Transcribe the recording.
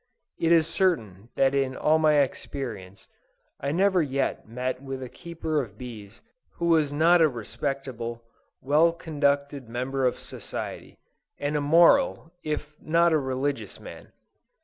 It is certain that in all my experience, I never yet met with a keeper of bees, who was not a respectable, well conducted member of society, and a moral, if not a religious man.